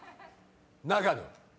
「長野」